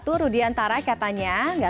terima kasih valentina